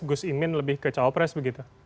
gus imin lebih ke cawapres begitu